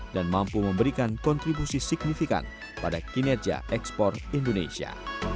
dan mampu memberikan kontribusi signifikan pada kinerja ekspor indonesia